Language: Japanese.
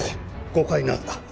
誤解なんだ。